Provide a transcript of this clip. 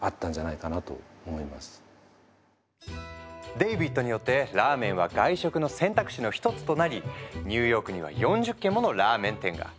デイビッドによってラーメンは外食の選択肢の一つとなりニューヨークには４０軒ものラーメン店が。